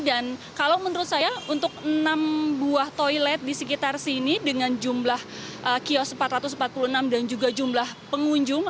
dan kalau menurut saya untuk enam buah toilet di sekitar sini dengan jumlah kiosk empat ratus empat puluh enam dan juga jumlah pengunjung